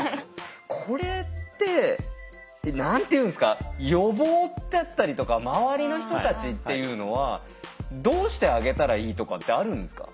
これって何て言うんですか予防ってあったりとか周りの人たちっていうのはどうしてあげたらいいとかってあるんですか？